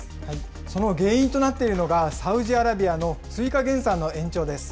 その原因となっているのが、サウジアラビアの追加減産の延長です。